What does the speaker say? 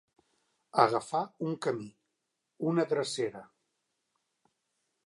Agafar un camí, una drecera.